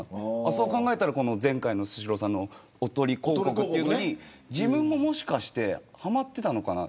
そう考えれば前回のスシローさんの、おとり広告に自分も、もしかしてはまっていたのかな。